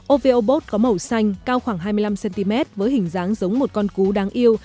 opeobot có màu xanh cao khoảng hai mươi năm cm với hình dáng giống một con cú đáng yêu